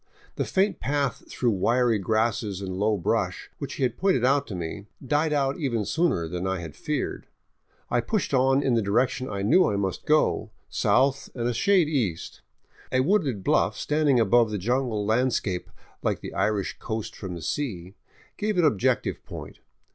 The faint path through wiry grasses and low brush, which he had pointed out to me, died out even sooner than I had feared. I pushed on in the direction I knew I must go, — south and a shade east. A wooded bluff standing above the jungle landscape, like the Irish coast from the sea, gave an objective point.